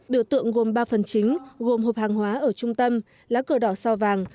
biểu tượng gồm ba phần chính gồm hộp hàng hóa ở trung tâm lá cờ đỏ sao vàng